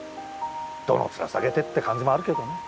どの面下げてって感じもあるけどね。